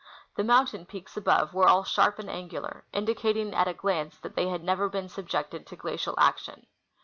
The mountain peaks above were all sharp and angular, indicating at a glance that the}" had never been subjected to glacial action.